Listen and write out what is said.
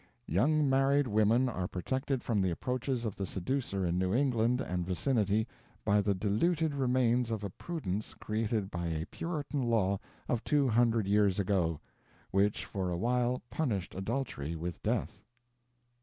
Young married women are protected from the approaches of the seducer in New England and vicinity by the diluted remains of a prudence created by a Puritan law of two hundred years ago, which for a while punished adultery with death.